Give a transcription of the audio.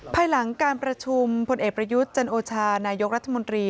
ภายหลังการประชุมพลเอกประยุทธ์จันโอชานายกรัฐมนตรี